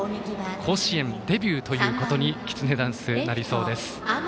甲子園デビューということにきつねダンス、なりそうです。